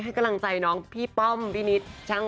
ให้กำลังใจน้องพี่ป้อมวินิษฐ์